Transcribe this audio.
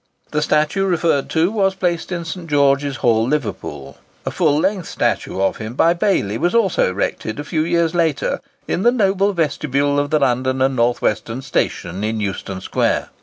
The statue referred to was placed in St. George's Hall, Liverpool. A full length statue of him, by Bailey, was also erected a few years later, in the noble vestibule of the London and North Western Station, in Euston Square.